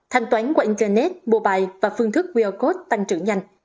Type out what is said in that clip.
thanh toán qua internet mobile và phương thức qr code tăng trưởng nhanh